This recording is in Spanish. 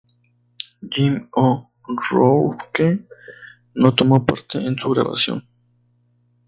Jim O'Rourke no tomó parte en su grabación.